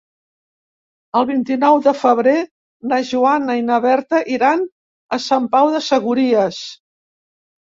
El vint-i-nou de febrer na Joana i na Berta iran a Sant Pau de Segúries.